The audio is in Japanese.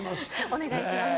お願いします。